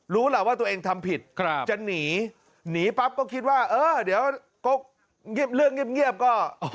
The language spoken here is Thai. รู้แล้วว่าตัวเองทำผิดจะหนีหนีปั๊บก็คิดว่าเดี๋ยวเรื่องเงียบก็